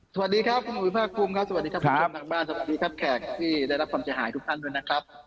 สวัสดีครับคุณอุ๋ยภาคภูมิครับสวัสดีครับคุณผู้ชมทางบ้านสวัสดีครับแขกที่ได้รับความเสียหายทุกท่านด้วยนะครับ